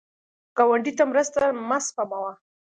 ګاونډي ته مرسته مه سپموه